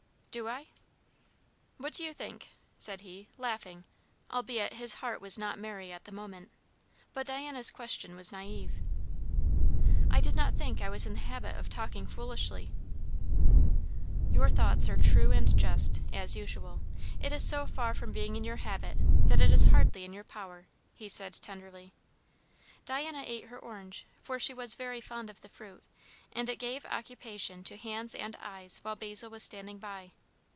"Do I?" "What do you think?" said he, laughing, albeit his heart was not merry at the moment; but Diana's question was naive. "I did not think I was in the habit of talking foolishly." "Your thoughts are true and just, as usual. It is so far from being in your habit, that it is hardly in your power," he said tenderly. Diana ate her orange, for she was very fond of the fruit, and it gave occupation to hands and eyes while Basil was standing by.